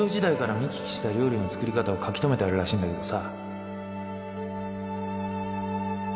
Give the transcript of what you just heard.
見聞きした料理の作り方を書き留めてあるらしいんだけどさ